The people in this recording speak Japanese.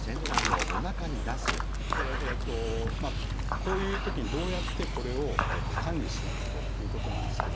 こういうときにどうやってこれを管理していくかということなんですけども。